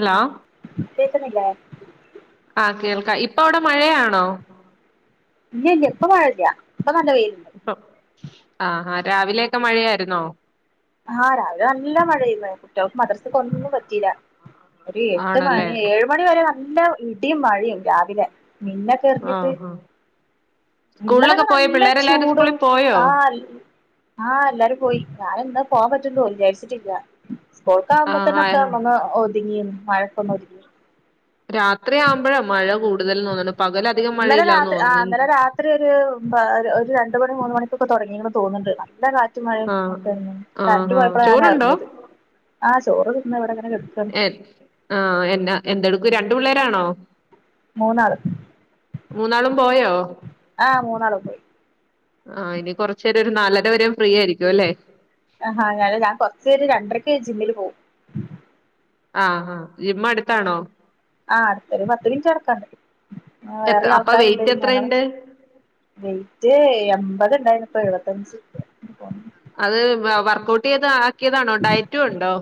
Hello കേക്ക്ന്നില്ലേ? ആഹ് കേൾക്ക. ഇപ്പ അവിടെ മഴയാണോ? ഇല്ല ഇല്ല. ഇപ്പ മഴല്ല. ഇപ്പ നല്ല വെയില്ണ്ട്. ഇപ്പം, ആഹ് ഹാ രാവിലെയൊക്കെ മഴയായിരുന്നോ? ആഹ് രാവിലെ നല്ല മഴയേര്ന്നു. കുട്ടികൾക്ക് മദ്രസക്ക് ഒന്നും പറ്റിയില്ല. ഒരു എട്ട് ആണല്ലേ മണി ഏഴ് മണി വരെ നല്ല ഇടിയും മഴയും രാവിലെ. മിന്നക്കെ എറിഞ്ഞിട്ട് ആഹ് ആഹ് സ്കൂളിലൊക്കെ ഇന്നലൊക്കെ പോയോ നല്ല പിള്ളേരെല്ലാരും ചൂടും സ്കൂളിൽ പോയോ ആഹ് എൽ ആഹ് എല്ലാരും പോയി. ഞാനെന്താ പോവാൻ പറ്റും തോ വിചാരിച്ചിട്ടില്ല. സ്കോൾക്കാവ്മ്പോ ആഹ് തന്നെ ഒക്കെ ആഹ് ഒന്നങ്ങ് ഒതുങ്ങീന്. മഴക്കൊന്ന് ഒതുങ്ങി. രാത്രിയാവുമ്പഴാ മഴ കൂടുതൽ തോന്നുണു. പകലധികം മഴയില്ലാന്ന് തോന്നുണു. ഇന് ഇത്ര ഒരു ബ ഒരു രണ്ട് മണി മൂന്ന് മണിക്കൊക്കെ തുടങ്ങീക്ക്ണ് തോന്നുന്നുണ്ട്. നല്ല കാ റ്റും മഴയും ആഹ് ഒക്കെ ഇണ്ടേനു. ആഹ് കറണ്ട് ആഹ് പോയപ്പളാ ചോറുണ്ടോ ഞാനറിഞ്ഞത്. ആഹ് ചോറ് തിന്ന് ഇവിടെ ഇങ്ങനെ കെടക്കാ. എ ആഹ് എന്നാ, എന്തടുക്ക്വാ? രണ്ട് പിള്ളേരാണോ? മൂന്നാള് മൂന്നാളും പോയോ? ആഹ് മൂന്നാള് പോയി ആഹ് ഇനി കുറച്ചു നേരം ഒരു നാലര വരെയും ഫ്രീ ആയിരിക്കും അല്ലേ? ആഹ് ഹാ അല്ല ഞാൻ കുറച്ചയിഞ്ഞ് രണ്ടരക്ക് ജിമ്മില് പോവും. ആഹ് ആഹ് ജിം അടുത്താണോ? ആഹ് അടുത്തൊരു പത്ത് മിനിറ്റ് നടക്കാന്ണ്ട്. എത്ര വേറെയും അപ്പൊ ആൾക്കാരുണ്ട്. വെയിറ്റ് ഞങ്ങള് എത്രയുണ്ട് വെയിറ്റ് എമ്പത്ണ്ടായിര്ന്ന്. ഇപ്പൊ എഴുപത്തഞ്ച്. അത് വർക്കഔട്ട് ചെയ്ത് ആക്കിയതാണോ ഡയറ്റും ഉണ്ടോ?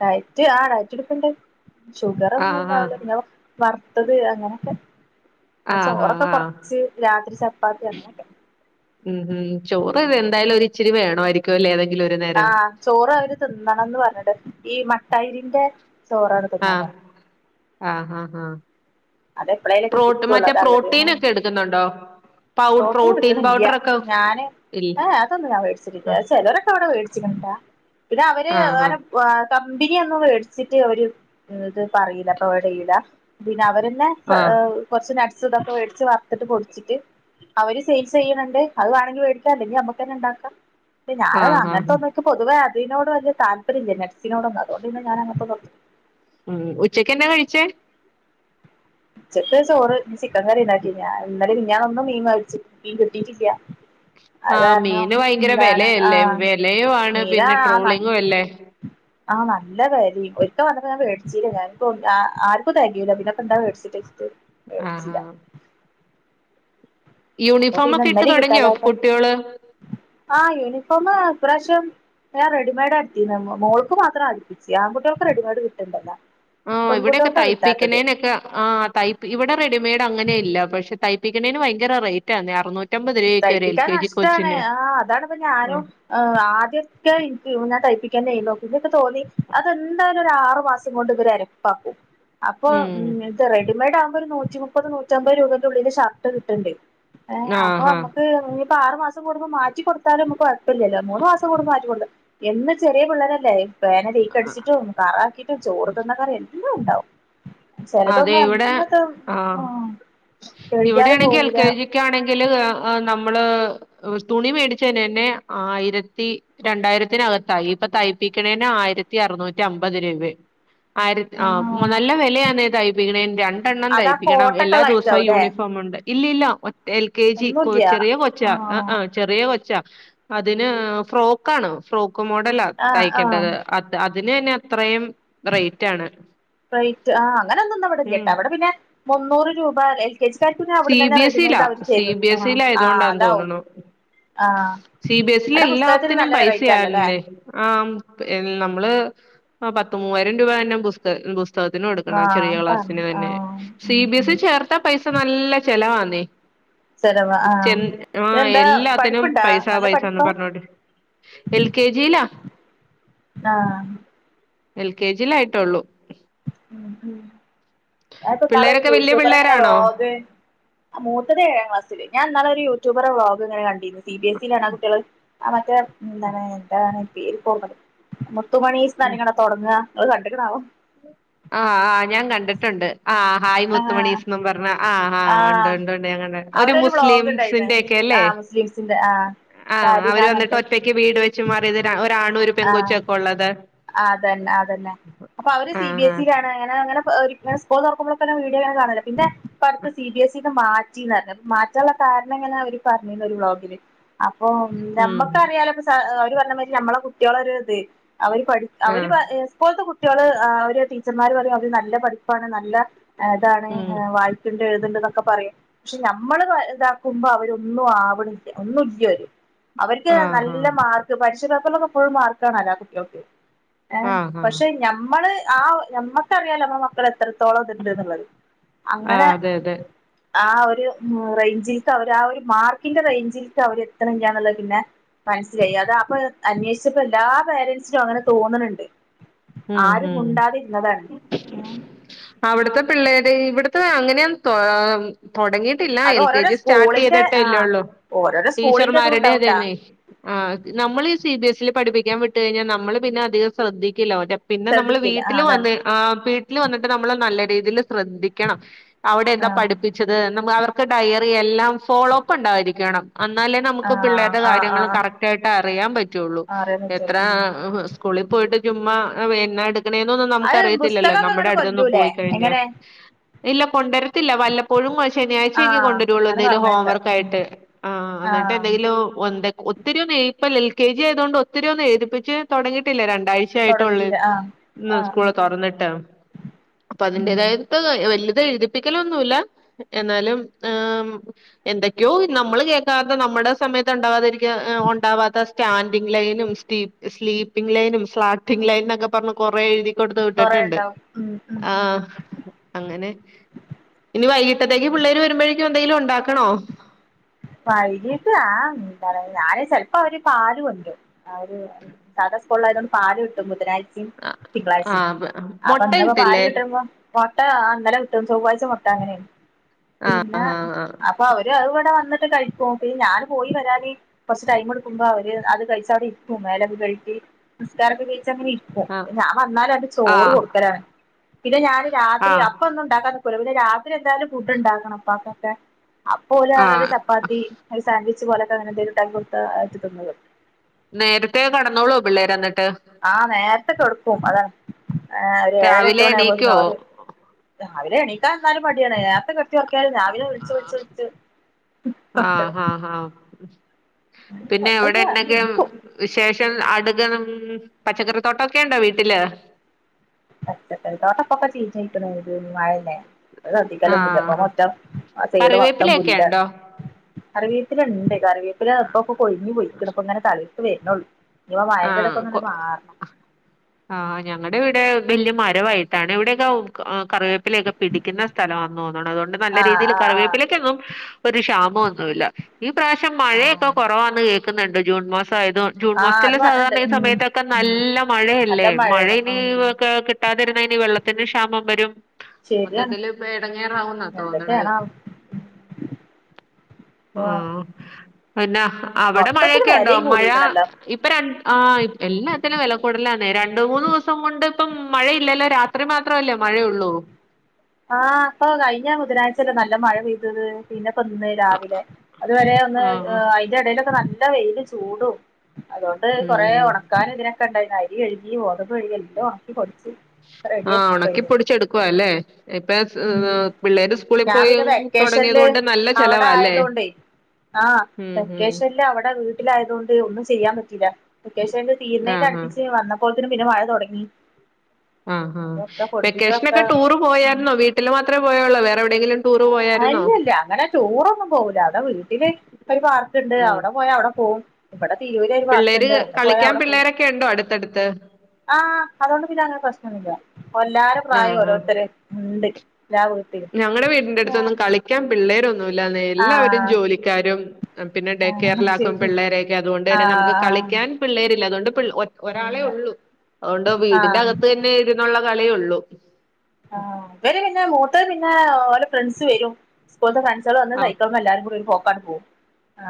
ഡയറ്റ് ആ ഡയറ്റ് എടുക്കണ്ട് ഷുഗർ ഒന്നും ആഹ് ഉണ്ടാവല്ല ആഹ് പിന്ന. വറുത്തത് അങ്ങനെയൊക്കെ ആഹ് ആഹ് ചോറൊക്കെ ആഹ് കൊറച്ച് രാത്രി ചപ്പാത്തി അങ്ങനെയൊക്കെ. ഉം ഉം ചോറ് ഇ എന്തായാലും ഒ ഇച്ചിരി വേണമായിരിക്കും അല്ലേ ഏതെങ്കിലും ഒരു നേരം. ആഹ് ചോറ് അവര് തിന്നണംന്ന് പറഞ്ഞിട്ട് ഈ മട്ടായിരിന്റെ ചോറാണ് തിന്നാ പറഞ്ഞത്. ആ ആ ആ അത് എപ്പളേലൊക്കെ പ്രോ കിട്ടുള്ളൂ മറ്റേ അതാള്ളത് പ്രോട്ടീൻൊക്കെ എടുക്കുന്നുണ്ടോ? പൗഡ് പ്രോട്ടീൻ എടുക്കണില്ല പൗഡർ ഒക്കോ? ഞാന് ഏ അതൊന്നും ഞാൻ മേടിച്ചിട്ടില്ല ചിലരൊക്കെ അവിടെ മേടിച്ചിക്കണ് ട്ടോ പിന്നെ അവര് ആഹ് വാ കമ്പനിയൊന്നും മേടിച്ചിട്ട് അവര് ഇത് പറയില്ല പ്രൊവിഡചെയ്യൂല പിന്നെ അവര് പിന്നെ ആഹ് ഏഹ് കുറച്ച് നട്ട്സ് ഇതൊക്കെ മേടിച്ച് വറത്തിട്ട് പൊടിച്ചിട്ട്. അവര് സയിൽസ് ചെയ്യണണ്ട് അത് വേണെങ്കിൽ വേടിക്കാ അല്ലെങ്കിൽ അമ്മക്ക് തന്നെ ഇണ്ടാക്കാം. പിന്നെ ഞാന ആഹ് ആഹ് അങ്ങനത്തെൊന്നൊക്ക് പൊതുവേ അതിനോഡ് വലിയ താല്പര്യമില്ല നെസിനോടൊന്ന് അതുകൊണ്ട്ന്നെ ഞാന അങ്ങനതോന്നും ഉം ഉച്ചയ്ക്ക്ന്തകഴിച്ചേ ഉച്ചക്ക് ചോറ് ചിക്കൻ കറി ണ്ടാക്കി ഞാ ഇന്നലെ മിനിഞാനൊന്നും മീൻ മ മീൻ കിട്ടിട്ടില്ല. ആഹ് മീന് ഭയങ്കര ആ വിലയല്ലേ വിലയു ആണ് മീനാ പിന്നെ ട്രോളിങ്ങും അല്ലേ? ആ നല്ല വിലഒരിക്ക വന്നപ്പോ ഞാൻ വെടിച്ചല്ല ഞ ആർക്കും തകയുല്ലപിന്നൊപ്പ എന്താേ വെ ടി [inaudible] ആഹ് അപ്പൊ യൂണിഫോമ പിന്നെ ഒക്കെ ഇട്ട് ഇന്നലിം തുടങ്ങിയോ കിട്ടാതായപ്പോ കുട്ടികള് ആഹ് യൂണിഫോമം ഇപ്രാവശ്യം. ഞാ റെഡമെയഡ് ഇടത്തീന്നെ മോൾക്ക് മാത്രം അടിപ്പിച്ചു ആൺകുട്ടികൊക്കെ റെഡിമ്ഡ് കിട്ടണ്ടല്ലോ. ആ ഇവിടെയൊക്കെ തയ്പ്പിക്കുന്നേനൊക്കെ ആ തയ് ഇവിടെ റെഡിമെയഡ്ങ്ങനെ ഇല്ല പക്ഷെ തയ്പ്പിക്കുന്നതിന് ഭയങ്കര റേറ്റ് ആന്ന അറുന്നൂറ്റി തയ്പ്പിക്കാൻ നഷ്ടാണ് ആ അതാണ ഇപ്പ ഞാനും ഉം ആദ്യൊക്കെ എനിക്ക് ഞാൻ തട്പപ്പിക്കൻന്ന നോ ഇന്നൊക്കെ തോന്നി അതെന്തായാലും ഒരു ആറു മാസം കൊണ്ട് ഇവര എര പപ്പു അപ്പൊ ഉ ഉം ഇത് റെഡിമെയ്ഡ് ആകുമ്പോ ഒരു നൂറ്റി മുപ്പത് നൂറ്റമ്പത് രൂപേ ഉള്ളിൽ ഷർട്ട് കിട്ടിണ്ട്. ഏ അ ആഹ് ഇപ്പ ഇനി ആറു മാസംകൂടുമ്പോ മാറ്റി കൊടുത്താലുംനമുക്ക് കുഴപ്പല്ലല്ല മൂന്ന് മാസംകൂടുമ്പോ മാറ്റികൊടുത്ത് എന്ന് ചെറിയ പിള്ളരല്ലേ? പേന ലീക്ക ആഹ് അടിച്ചിട്ടും കറാക്കിട്ടും ചോറ് തിന്ന കറി എല്ലാം ഉണ്ടാവും. അതെ ചിലതൊന്നും ഇവിടെ അന്നത്തെ ആഹ് കഴികിയാലും പോകൂല. അടിക്ക് ആണെങ്കിൽ നമ്മള് തുണി മേടിച്ചന്നെ ആയിരത്തി രണ്ടായിരത്തിനകത്തായി ഇപ്പൊ തയ്പ്പിക്കണേന് ആയിരത്തി അറനൂറ്റി അമ്പത് രൂപ. ആയിര് ആ ആഹ് നല്ല വിലയാണ് തയ്പ്പിക്ക രണ്ടെണ്ണം അതാ തയ്പ്പിക്കണം എല്ലാ കോട്ടൊക്കെള്ള ദിവസവും ഐറ്റാവുംല്ലേ യൂണിഫോം ഉണ്ട് ഇല്ലല്ല. എൽ കെ ജി കൊ ഒന്നുംല്ല ചെറിയ കൊച്ച ആ ആഹ് ആ ചെറിയ കൊച്ച അതിന് ഫ്രോക്ക് ക്കാണ് ഫ്രോക്ക് മോഡലാ ആഹ് ആഹ് തയ്ക്കേണ്ടത് അത് അതിന് തന്നെ അത്രയും റേറ്റ് ആണ് റേറ്റ് ആ അങ്ങനെ ഒന്നന്ന് ഇവിടെ ഇല്ല ഉം കേട്ടെ അവിടെ പിന്ന മുന്നൂറ് രൂപ എൽ കെ ജിക്കാർക്ക് പിന്നെ അവിടെ സി തന്നെ ബി എസ് റെഡിമെയ്ഡ് ഇയിലാ അവര് സി തരും ബി എസ് ആഹ് ഇയില ആഹ് ആയതൊണ്ടാന്ന് അതാവും തോന്നുന്നു. ആഹ് സി ബി അവിടെ പുസ്തകത്തിന് എസ്എല്ലാത്തിനും നല്ല റേറ്റ് ആണല്ലോല്ലേ പൈസയാണെന്ന് ആ നമ്മള് പത്ത് മൂവായിരം രൂപ തന്നെ പുസ്ത പുസ്തകത്തിന് കൊട്- ചെറിയ ആഹ് ക്ലാസ്സിന് തന്നെ ആഹ് സി ഉം ബി ഉം എസ്സി ചേർത്ത പൈസ നല്ല ചെലവാണി സ്ഥിരവ ചെ ആഹ് ആഹ് ഇതെന്താ എല്ലാത്തിനും പഠിപ്പ്ണ്ടാ പൈസ നല്ല പൈസന്ന് പഠിപ്പാ പറഞ്ഞോണ്ട് എൽ കെ ജിയിലാ ആഹ് എൽ കെ ജിയിൽ ആയിട്ടൊള്ളൂ ഉം ഉം അതിപ്പെന്നാൾ ഒരു പിള്ളേരൊക്കെ വല്യ യൂട്യൂബർ ങ്ങനെ പിള്ളേരാണോ വ്ളോഗ് ആഹ് മൂത്തത് ഏഴാം ക്ലാസിൽ ഞാനിന്നാൾ ഒരു യൂട്യൂബറെ വ്ളോഗ്ങ്ങന കണ്ടിരുന്നു സി ബി എസ്സി യിലാണാ കുട്ടിയാൾ ആ മറ്റേ എന്താണ് എന്താണ് പേരിപ്പ ഓർമണ്ട് മുത്തുമണീസ് ഉം [unintelligible] തൊടങ്ങ ഇങ്ങൾ കണ്ട്ക്ണാവോ ആഹ് ആഹ് ഞാൻ കണ്ടിട്ടുണ്ട് ആഹ് ഹായ് ആഹ് മുത്തുമണീസ് ന്നും പർഞ്ഞ ആഹ് ആഹ് ഉണ്ട് ഉണ്ട് ഉണ്ട് ഞങ്ങടക്ണ് ഒരു മുസ്ലിംസിന്റെ ഒക്കെ അല്ലേ സ്ലിംസിന്റെ ആഹ് ആഹ് അവര് സാലിഹാ വന്നിട്ട് ന്നർഞ്ഞ്ട്ട് ഒറ്റയ്ക്ക് വീട് വെച്ച് മാറിയത് ഒരാണു ഒരു പെൺകൊച്ചൊക്കെള്ളത് ആതന്നെ അതന്നെ അപ്പൊ അവര് സി ബി ആഹ് എസ് ആഹ് ഇ അങ്ങന അങ്ങനെ ഇപ്പൊ [unintelligible] ഇപ്പ സ്കൂൾ തുറക്കുമ്പളക്കള്ള വീഡിയോ ഇങ്ങനെ കാണോലോ പിന്നെ ഇപ്പടുത്ത് സി ബി എ സ്സിക്ക് മാ റ്റി ന്ന് പർഞ്ഞ് മാറ്റാൻള്ള കാരണം എങ്ങനെ അവര് പർഞ്ഞിര്ന്നു ഒരു വ്ളോഗില് അപ്പൊ ഉം നമ്മക്കറിയാലോ [unintelligible] അവര് പറഞ്ഞമാരി നമ്മളെ കുട്ടിയാള ഒരു ഇത് അവര് പഠി അവര് ആഹ് പ സ്‌കൂൾതെ കു ട്ടിയാള് ആ ഒര് ടീച്ചർമാർ പറയും അവര് നല്ല പഠിപ്പാണ് നല്ല ഇതാണ് ഉം ഏഹ് വായി ത്ണ്ട് എഴുത്ന്ന്ണ്ട് ന്നൊക്കെ പറയും പക്ഷെ നമ്മള് ഇതാക്കുമ്പോ അവരൊന്നും ആവ്ണില്ല ഒന്നും ഇല്ല്യോര് അവർക്ക് ആഹ് നല്ല ആഹ് മാർക്ക് പരിക്ഷ പേപ്പറിലൊക്കെ ഫുൾ മാർക്ക് ആണോല്ലോ കുട്ടിയാൾക്ക് ആഹ് ആഹ് പക്ഷെ ഞമ്മള് ആ നമ്മക്കറിയാലോ നമ്മള മക്കൾ എത്ര ത്തോളം ഇതുണ്ട് എന്ന്ള്ളത് അങ്ങനെ ആഹ് അതെ അതെ ആ ഒരു റേഞ്ചിൽക്ക് അവര് ആ ഒരു മാർക്കിന്റെ റേഞ്ചിൽക്ക് അവര് എത്ത്ണില്ലാന്നുള്ളത് പിന്നെ മനസ്സിലായി അത അപ്പൊ അന്വേഷിച്ചപ്പോ എല്ലാ പേരൻസിനും അങ്ങനെ തോന്ന്ണ്ണ്ട് ഉം ഉം ഏഹ് അവിട്ത്തെ പിള്ളേര് ഇവിടുത്തെ അങ്ങനെയൊന്ന് തൊ തൊടങ്ങി- ട്ടില്ല അത് എൽ കെ ഓരോരോ ജി സ്റ്റാർട്ട് സ്കൂളിന്റെ ആഹ് ചെയ്തിട്ടല്ലേള്ളൂ ഓരോരോ സ്കൂളിന്റെ ഇതും ടീച്ചർമാരുടെ ഉണ്ടാവുട്ടാ അതന്നെ ആ നമ്മള് ഈ സി ബി എസ്സിൽ പഠിപ്പിക്കാൻ വിട്ട് കഴിഞ്ഞാൽ നമ്മള് പിന്നെ അധികം ശ്രദ്ധിക്കില്ല മറ്റേ പിന്നെ നമ്മള് ശ്രദ്ധിക്കില്ല വീട്ടിൽ ആഹ് അതാണ് വന്ന് ആഹ് വീട്ടിൽ വന്നിട്ട് നമ്മള് നല്ല രീതിയിൽ ശ്രദ്ധിക്കണം അവിടെ ഏതാ ആഹ് പഠിപ്പിച്ചത് നമ്മു അവർക്ക് ഡയറി എല്ലാം ഫോളോ അപ്പ് ഉണ്ടായിരിക്കണം അന്നാലേ നമുക്ക് ആഹ് പിള്ളേര്ടെ ആഹ് കാര്യങ്ങൾ ആഹ് കറക്റ്റ് ആയിട്ട് അറിയാൻ പറ്റുള്ളൂ ആഹ് അറിയാൻ പറ്റുള്ളൂ എത്ര ഉം സ്‌കൂളി പോയിട്ട് ചുമ്മാ വേനെടു ക്ണൊന്നും നമുക്ക് അത് അറിയത്തില്ലല്ലോ പുസ്തകൊക്കെ നമ്മുടെ ഇങ്ങട്ട് അടുത്തിന്ന് കൊണ്ടരൂലേ പോയി കഴിഞ്ഞ എങ്ങനെ ഇല്ല കൊണ്ടുവരത്തില്ല വല്ലപ്പോഴും ശനാഴ്ചയൊക്കെ ആഹ് കൊണ്ടുവരൊള്ളൂ അങ്ങനെ എന്തേലും ഹോം പറഞ്ഞേക്ക ഉം വർക്കായിട്ട് ആഹ് എന്നിട്ട് എന്തെങ്കിലും ഒന്തെ ഉ- ഒത്തിരിയൊന്ന ഇപ്പ എൽ കെ ജി ആയതുകൊണ്ട് ഒത്തിരിയൊന്നും എഴുതിപ്പിച്ച് തുടങ്ങിട്ടില്ല രണ്ടാ ച്ചായിട്ടുള്ളൂ തൊടങ്ങിട്ടില്ല ആഹ് ഇന്ന് ആഹ് സ്കൂൾ ആഹ് ആഹ് തൊറന്നിട്ട് അപ്പൊ ഉം അതിന്റേതായത് വല്ലതു എഴുതിപ്പിക്കലൊന്നുല്ല എന്നാലും ആ എന്തൊക്കെയോ നമ്മൾ കേൾക്കാത്ത നമ്മുടെ സമയത്ത് ഉണ്ടാവാതിരിക്ക ഉണ്ടാവാത്ത സ്റ്റാൻഡിങ് ലൈനും സ്ലീ സ്ലീപ്പിംഗ് ലൈനും സ്ലാട്ടിംഗ് ലൈന് എന്നൊക്കെ പർഞ്ഞ് കൊറേ എഴുതി ന്ന് കൊടുത്ത് കൊറേ വിട്ടിട്ടുണ്ട് ഉണ്ടാവും ഉം ഉം ഉം ആഹ് അങ്ങനെ ഇനി വൈകിട്ടത്തേക്ക് പിള്ളേര് വരുമ്പഴേക്കും എന്തെങ്കിലും ഉണ്ടാക്കണോ വൈകിട്ട് ആഹ് പറയ് ഞാന് ചെൽപ്പോ അവര് പാല് കൊണ്ട്രും അവര് സാദാ സ്കൂളിൽ ആയതുകൊണ്ട് പാല് കിട്ടും ബുധനാഴ്ച ആ തിങ്കളാഴ്ചിം അപ്പൊ മുട്ട ഇന്ന് ഇപ്പൊ പാല് കിട്ടില്ലേ കിട്ടുമ്പോ മൊട്ട ഇന്നലെ കിട്ടും ചൊവ്വാഴ്ച മുട്ട അങ്ങനെയും ആ പിന്നെ ആ അപ്പൊ അവര് അത് ഇവിടെ വന്നിട്ട് കഴിക്കും പിന്ന ഞാന് പോയി വരാന് കുറച്ച് ടൈം കൊടുക്കുമ്പോ അവര് അത് കഴിച്ച അവിടെ ഇരിക്കും മേലൊക്കെ കഴുകി നിസ്കാരൊക്കെ കഴിച്ച് അങ്ങനെ ഇരിക്- ആ ഒഹ ഞാൻ വന്നാലൊന്ക് ചോറ് ആ കൊട്ക്കലാണ് പിന്നെ ഞാന് ആ രാത്രി അപ്പൊന്നുണ്ടാക്കാന്. ഓല് പിന്നെ രാത്രി എന്തായാലും ഫുഡ്‌ണ്ടാക്കണം പ്പാക്കൊക്കെ ആ അപ്പൊഓലറിയ ഒര് ചപ്.. ഈ അയ് സാൻവിച് പോലൊത്ത അങ്ങനെന്തേലുണ്ടാക്കി കൊട്ത്താ അഹ് അഹ്ട്ത് തിന്നോളും. നേരത്തേ കടന്നോളോ പിള്ളേർ അന്നിട്ട് ആഹ നേര്ത്തെ കെട്ക്കും അത അഹ് ഒര് ഏയര രാവിലെ എട്ട്മണി ആയപ്പോത്തിന് എണീക്കോ അവര്. രാവിലെ എണീക്കാന്തായ്ലും മടിയണ് നേർത്തകെട്.. ട്ചൊർക്കിയാലും രാവിലെ വുളച്ച് വുള്ച്ചുള്ച് ഉം അങ്ങനെ ആഹ ഉം പിന്നെ അങ്ങനെ അവ്ടെണ്ടങ്കി എണീക്കും വിശേഷം അടുക്കനുമ്മ് പച്ചക്കറിതോട്ടൊക്കെണ്ടോ വീട്ടില്. പച്ചക്കറിത്തിട്ടൊക്കെപ്പ ചീച്ചയ്ക്ണ് ഒര് മഴല്ലേ. അഹ് ആ കത്തിക്കലൊന്നുല്ല ഇപ്പമുറ്റം അഹ സൈഡ്മൊത്തം കറിവേപ്പിലൊക്കെ പുല്ല. ഉണ്ടോ കറിവേപ്പിലണ്ട് കറിവേപ്പിലപ്പപ്പം കൊഴിഞ്ഞുപോയിക്ക്ണ് പ്പങ്ങനെ തളിർത്തവര്നൊള്. ആഹ കൊഹ്. ആഹ ഞങ്ങടെവിടെ ബല്യ മരമായിട്ടാണ് ഇവിടെയൊക്കെ ഉക്ക് ആഹ കറിവേപ്പ്. പ്പില്യൊക്കെ പിടിയിക്കുന്നസ്ഥലാന്നു താണു അതോണ്ട് ആഹ് നല്ലരീതിയിൽ ആഹ് ആഹ് കറിവേപ്പിലക്കൊന്നും. ഒര് ക്ഷാമൊന്നുല്ല ഈപ്രാശ്യം ആഹ് മഴയൊക്കെകൊറവാന്ന് കേക്കുന്നുണ്ട് ജൂൺമസായതോണ് ജൂൺമസ്. ആഹ് ചില അത് പറഞ്ഞിണ്ട് സാധാരണ ഈ ഉം സമയത്തൊക്കെ ഉം നല്ല നല്ല മഴല്ലേ മഴ മഴയാണ് ഇനി ഉം ഒക്കെ കി.. ട്ടാതിര്ന്നനി വെള്ളത്തിന് ക്ഷാമം വരും. ശരിയാണ് മൊത്തത്തില് പ്പ എടങ്ങേറാക്കുന്ന തോന്ന്ണത്. എന്തൊക്കെയാണാവോ ഇപ്പൊ ആഹ പിന്നെ അവ്ടെ മൊത്തത്തില് മഴയൊക്കെണ്ടോ വെലയും മഴ. കൂടിക്കണല്ലോ ഇപ്പം രൺ ആഹ ഇ എല്ലാത്തിനും വെലകൂട്ലാണ് രണ്ട് മൂന്ന് ദിവസംകൊണ്ട് പ്പം മഴയില്ലല്ലോ രാ.. ത്രി മാത്രല്ലേ മയയൊള്ളു ആഹ പ്പൊ കഴിഞ്ഞാ ബുധനായിച്ചല്ലേ നല്ല മഴ പൈയ്തത് പിന്നെപ്പം ന്ന്. രാവിലെ അതുവരെ ഒന്ന് ആഹ് ഹ് ആഹ് ആഹ അയ്‌ന്റെലേടലൊക്കന്ന് നല്ല വെയില് ചൂടും. അതോണ്ട് കൊറേ ഉം ഒണക്കാനുതി നോക്കെണ്ടായിന്ന് അരി കൈകി ഗോതമ്പ് കൈകി എല്ലൊം ഒണക്കി പൊടിച്ച്. ആഹ റെഡിയാക്കി കഴിഞ്ഞു ഒണക്കിപ്പൊടിച്ചെടുക്കുവാല്ലേ. ഇപ്പൊ സ് ഊ ഉം പിള്ളേര് സ്കൂളി ഞാൻ പ്പോയ പിന്നെ ഊ വെക്കേഷനില് തൊടങ്ങ്യതോണ്ട് നല്ല ചെലവാല്ലേ. ആഹ വെക്കേഷൻ ഇല്ല അവിടെ വീട്ടിലായതോണ്ട് ഒന്നും ചെയ്യാൻ പറ്റീല വെക്കേഷല് ആഹ് ആഹ് തീരണ്ടട്പിച്ചു വന്നപ്പ്. അപ്പോത്തിന് പിന്നെ മഴതൊടങ്ങി. ആഹ അഹാ വെക്കേഷനൊക്കെ പൊടിപ്പിച്ചതൊക്കെ ട്ടൂറ് പോയാരുന്നോ വീട്ടില് മാത്രേ പോയൊള്ളു വേറെ എവിടെങ്കിലും. അഹ അയ്‌ന്നുല്യാ അങ്ങനെ ട്ടൂറൊന്നും പോകൂല അവ്ട വീട്ടില്. ഒര് പാർക്ക്ണ്ട് ഉം അവ്ടപ്പോയ അവിടപ്പോകും. ഇവിടെ തിരൂര് ഒര് പിള്ളേര് പാർക്കുണ്ട് അവിടപോയ കളിക്കാൻ അവിടപ്പോകും. പിള്ളേരൊക്കെ ഉണ്ടോ അടുത്തടുത്ത് ആഹ അതോണ്ട് പിന്നെങ്ങനെ പ്രെശ്നൊന്നും ഇല്ല്യ എല്ലാര ആഹ് പ്രായോം ആഹ് ഓരോര്ത്തര് ണ്ട്. ഞാ വീട്ടില്. ഞങ്ങടെ വീടിന്റെടുത്തൊന്നും കളിക്കാൻ പിള്ളേരൊന്നും ഇല്ലാന്നെ എല്ലാവരും ആഹ് ജോലിക്കാരും. പിന്നെ ആഹ് ശരി ഡെകേയർലാകും ആഹ് പിള്ളേരെയൊക്കെ അത്കൊണ്ടെന്നെ നമുക്ക് ആഹ് കളിക്കാൻ. പിള്ളേരില്ല അതോണ്ട് പ്ൾ ഒറ്റ് അല്ല ഒരാളെഒള്ളു അതോണ്ട് വീടിന്റെ ആഹ് അകത്തെന്നെഇര്.. ന്നുള്ള കളിയെഒള്ളൂ. ആഹ ഇവര് പിന്നെ മൂത്തത് പിന്നെ ഒലെ ഫ്രണ്ട്സ് വെരും. സ്‌കൂൾത ഫ്രണ്ട്സാള് വന്ന ആഹ് സൈക്കൾമ എല്ലാരുംകൂടി ഒര് പോകാണ്ട്പോകും.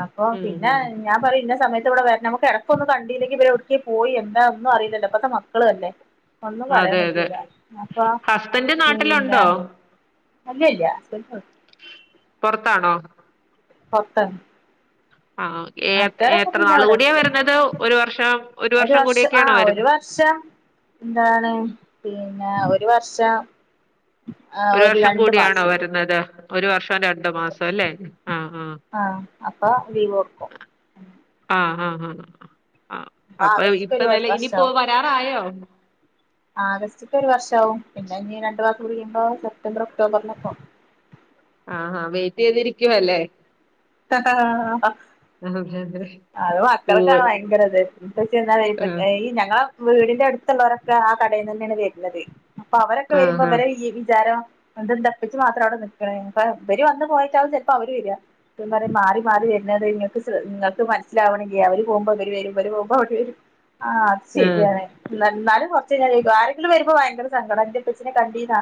അപ്പം ഉം പിന്നെ ഉം ഹ് ഞാൻപറിം ഇന്ന സമയത്ത് വ്ടെവര്നം. തെരക്കൊന്നും കണ്ടീലെങ്കി ഇവരോട്ക്കിയേ പോയി എന്താ ഒന്നും അറീല്ലല്ലോ ഇപത്തെ മക്കളേല്ലേ. ഒന്നും പറയാൻപറ്റൂല ഇങ്ങക്കോ തന്റെ നാട്ടിലൊണ്ടോ. അല്യേ ഇല്യ [unintelligible] പൊറത്താണോ. പത്ത് ആഹ് എ പിന്നെ എത്രനാള് ഇവിടെ കൂടിയാ അടുത്ത് വരുന്നത് ഒര് വർഷം ഒര് വർഷം കൂടിട്ടാണോ വരുന്നത്. ഷ എന്താണ് പിന്നെ ഒരു വർഷം ആഹ് ഒരു വർഷം രണ്ടു കൂട്യണോ മാസം വരുന്നത് ഒരു വർഷോം രണ്ട് മാസോം അല്ലേ ആഹ് ആഹ് ആഹ് അപ്പൊ ലീവൊട്ക്കും ആഹ് ആഹ് ആഹ് അപ്പൊ ആഗസ്റ്റ്ക്ക് ഇപ്പ ഒരു നല്ല ഇനി പോ വ രാറായോ ആഗസ്റ്റ്ക്കൊരു വർഷാവും പിന്നെ ഇനി രണ്ടു മാസം കുടികയ്മ്പൊ സെപ്റ്റംബർ ഒക്ടോബറിലൊക്കെ ആഹ് ആഹ് വെയ്റ്റീതിരിക്കുവാ ല്ലേ ആഹ് അതെ അതെ അത് പൂവ് മക്കൾക്കാണ് ഭയ്ങ്കരത് ഇപ്പച്യെന്നാ വെ ആഹ് അയ് ഞങ്ങള വീടിന്റട്ത്തുള്ളോരൊക്കെ ആ കടീന്നന്നെണ് വര്നത് അപ്പവരൊക്കെ വരുമ്പോ ആഹ് ആഹ് വരെ ഈ വിചാരം ന്ത പ്പച്ചി മാത്രവടെ നിക്കാണ് ഇബര് വന്ന് പോയ്ട്ടാവും ചെൽപ്പം അവര് വര മാറി മാറി വര്ന്നത് നിങ്ങക്ക് ങ്ങക്ക് മനസ്സിലാവണില്ല അവര് പോകുമ്പോ ഇവര് വരും ഇവര് പോക്മ്പൊ അവര് വരും ആഹ് അത് ആഹ് ശരിയാണ് ന്നാലു ന്നാലും കൊർച്ചയ്ഞ ചോയ്ക്കും ആരെങ്കിലും വരുമ്പൊ ഭയങ്കര സങ്കട ന്റെ പച്ചീനെ കണ്ടീന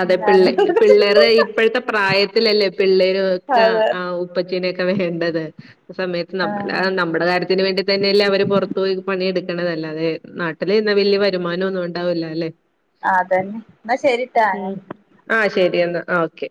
അതെ പിള്ളേ പിള്ളേര്ടെ പ്പഴത്തെ പ്രായത്തിലല്ലേ പിള്ളേർ ഒക്കെ അതെ ആവു പ്പച്ചീനൊക്കെ വേണ്ടത് സമയത്ത് ആ നമ്മ നമ്മടെ കാര്യത്തിന് വേണ്ടി തന്നെല്ലേ അവര് പൊർത്തു പോയി പണിയട്ക്കണത് അല്ലാതെ നാട്ടില് ന്നാ വല്ല്യെ വരുമാനം ഒന്നും ണ്ടാവില്ല ല്ലേ അതന്നെ ന്നാ ശരി ഉം ആഹ് ശരി എന്നാ ഓക്കെ